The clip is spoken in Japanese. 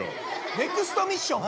ネクストミッション。